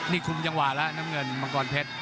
นี่คุมจังหวะแล้วน้ำเงินมังกรเพชร